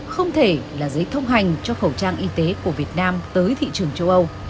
không thể là giấy thông hành cho khẩu trang y tế của việt nam tới thị trường châu âu